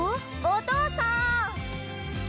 お父さん！